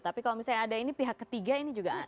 tapi kalau misalnya ada ini pihak ketiga ini juga